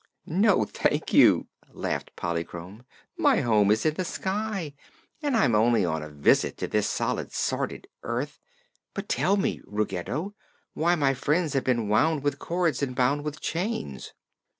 "No, thank you," laughed Polychrome. "My home is in the sky, and I'm only on a visit to this solid, sordid earth. But tell me, Ruggedo, why my friends have been wound with cords and bound with chains?"